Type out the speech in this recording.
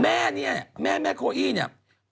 แม่นี่แม่โครอีนี่